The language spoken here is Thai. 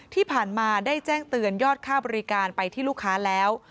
ที่ผ่านมาได้แจ้งเตือนยอดค่าบริการไปที่ลูกค้าแล้ว